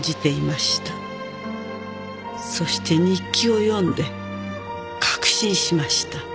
「そして日記を読んで確信しました」